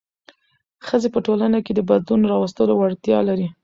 ښځې په ټولنه کې د بدلون راوستلو وړتیا لري.